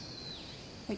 はい。